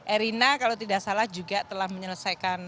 erina kalau tidak salah juga telah menyelesaikan